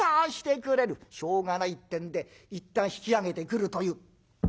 しょうがないってんでいったん引き揚げてくるという。